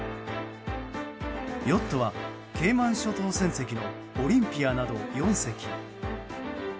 ヨットはケイマン諸島船籍の「オリンピア」など４隻。